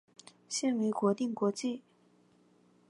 现为国定古迹。